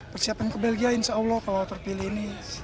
persiapan ke belgia insya allah kalau terpilih ini